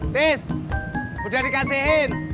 tis udah dikasihin